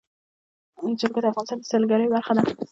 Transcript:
جلګه د افغانستان د سیلګرۍ برخه ده.